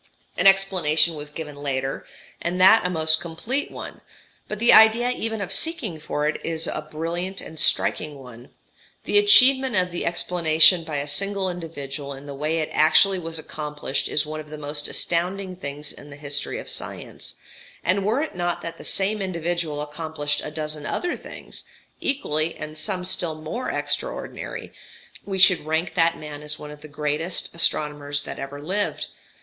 An explanation was given later, and that a most complete one; but the idea even of seeking for it is a brilliant and striking one: the achievement of the explanation by a single individual in the way it actually was accomplished is one of the most astounding things in the history of science; and were it not that the same individual accomplished a dozen other things, equally and some still more extraordinary, we should rank that man as one of the greatest astronomers that ever lived.